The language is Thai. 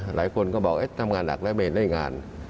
หลายคนก็บอกทำงานหนักแล้วเมนได้งาน